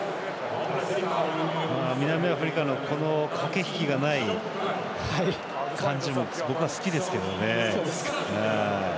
南アフリカのこの、駆け引きがない感じも僕は好きですけどね。